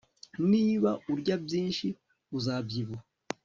niba urya byinshi, uzabyibuha